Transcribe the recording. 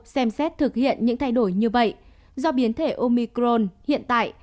xem xét thực hiện những thay đổi như vậy do biến thể omicron hiện tại